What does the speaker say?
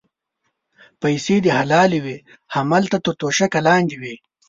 پیسې دې حلالې وې هملته تر توشکه لاندې وې.